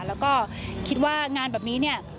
แล้วก็คิดว่างานแบบนี้เนี่ย